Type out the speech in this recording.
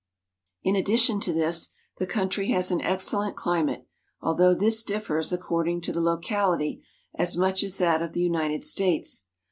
In addition to this, the country has an excellent climate, although this differs, according to the locality, as much as that of the United States.